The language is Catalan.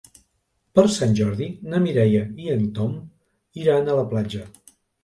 Per Sant Jordi na Mireia i en Tom iran a la platja.